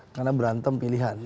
karena berantem pilihan